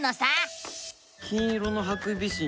金色のハクビシン